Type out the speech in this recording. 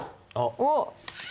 おっ！